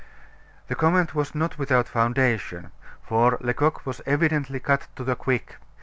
The comment was not without foundation: for Lecoq was evidently cut to the quick.